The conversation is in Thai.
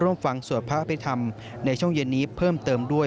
ร่วมฟังสวดพระอภิษฐรรมในช่วงเย็นนี้เพิ่มเติมด้วย